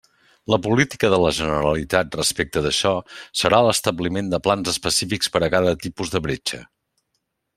La política de la Generalitat respecte d'això serà l'establiment de plans específics per a cada tipus de bretxa.